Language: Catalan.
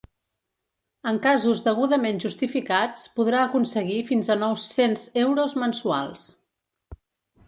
En casos degudament justificats, podrà aconseguir fins a nou-cents euros mensuals.